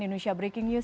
indonesia breaking news